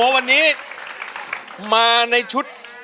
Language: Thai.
วันนี้มาในชุด